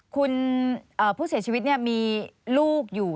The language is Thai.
คุณผู้เสียชีวิตมีลูกอยู่